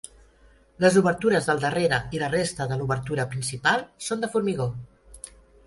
Les obertures del darrere i la resta de l'obertura principal són de formigó.